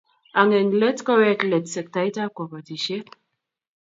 Ak eng let kowek let sektaitab kobotisiet